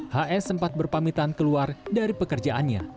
hs sempat berpamitan keluar dari pekerjaannya